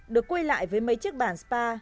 được quay lại với mấy chiếc bàn spa